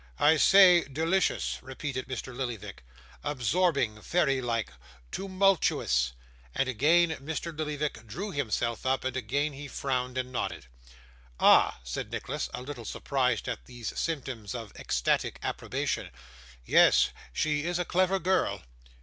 'I say, delicious,' repeated Mr. Lillyvick. 'Absorbing, fairy like, toomultuous,' and again Mr. Lillyvick drew himself up, and again he frowned and nodded. 'Ah!' said Nicholas, a little surprised at these symptoms of ecstatic approbation. 'Yes she is a clever girl.